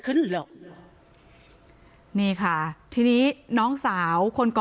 ภรรยาก็บอกว่านายเทวีอ้างว่านายทองม่วนขโมย